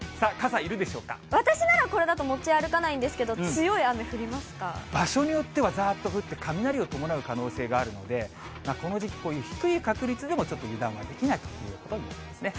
私ならこれだと持ち歩かない場所によってはざーっと降って、雷を伴う可能性があるので、この時期、こういう低い確率でもちょっと油断ができないということになりますね。